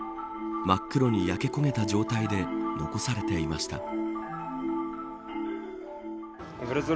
真っ黒に焼け焦げた状態で残されていました。